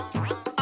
あ！